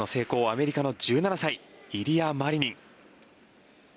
アメリカの１７歳イリア・マリニン。